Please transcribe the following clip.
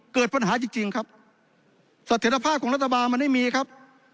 เกิดปัญหาจริงจริงครับเสถียรภาพของรัฐบาลมันไม่มีครับ